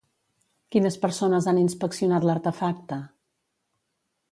Quines persones han inspeccionat l'artefacte?